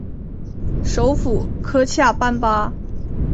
首府科恰班巴。